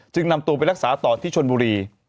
นำตัวไปรักษาต่อที่ชนบุรี